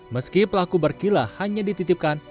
meski pelaku berkila hanya dititipkan